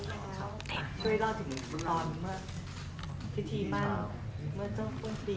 ช่วยเล่าถึงตอนพิธีมั่นเมื่อเจ้าต้นฟรี